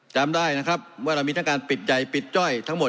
จำได้นะครับว่าเรามีทั้งการปิดใหญ่ปิดจ้อยทั้งหมด